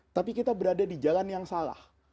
tapi kita berada di jalan yang salah